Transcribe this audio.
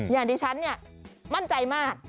อย่างที่ฉันเนี่ยมั่นใจมาก